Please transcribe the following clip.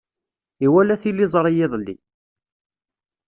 Iwala tiliẓri iḍelli.